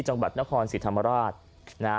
จังหวัดนครสิทธามราช